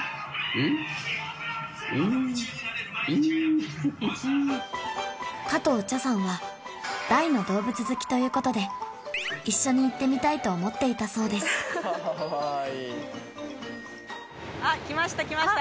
うんうんフフフ加藤茶さんは大の動物好きということで一緒に行ってみたいと思っていたそうですあっ